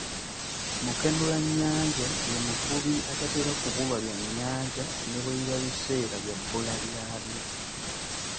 "Mukenulannyanja ye muvubi atatera kubulwa byannyanja, ne bwe biba biseera bya bbula lyabyo."